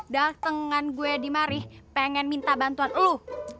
datengan gue di mari pengen minta bantuan lo